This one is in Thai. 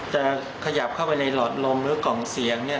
จะขยับเข้าไปในหลอดลมหรือกล่องเสียงเนี่ย